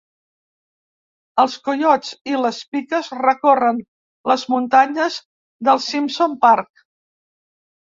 Els coiots i les piques recorren les muntanyes del Simpson Park.